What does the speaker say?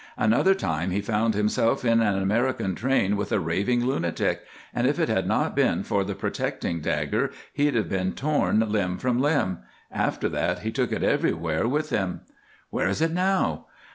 Another time he found himself in an American train with a raving lunatic, and if it had not been for the protecting dagger he'd have been torn limb from limb. After that he took it everywhere with him." "Where is it now?"